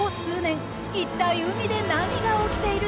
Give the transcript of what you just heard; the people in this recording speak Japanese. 一体海で何が起きているのか？